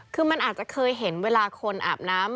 คือมันอาจจะเคยเห็นเวลาคนอาบน้ำ